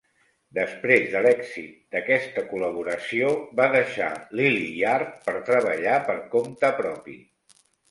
Després de l'èxit d'aquesta col·laboració, va deixar Lillie Yard per treballar per compte propi.